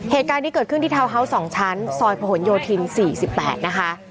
เหตุการณ์นี้เกิดขึ้นที่ทาวน์ฮาวส์๒ชั้นซอยผนโยธิน๔๘นะคะ